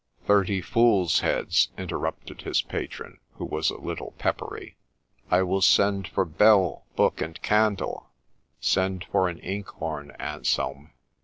' Thirty fools' heads !' interrupted his patron, who was a little peppery. ' I will send for bell, book, and candle ' 1 Send for an inkhorn, Anselm.